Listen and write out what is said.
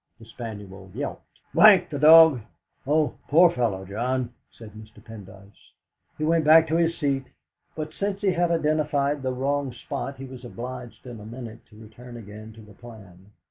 The spaniel yelped. "D n the dog! Oh, poor fellow, John!" said Mr. Pendyce. He went back to his seat, but since he had identified the wrong spot he was obliged in a minute to return again to the plan.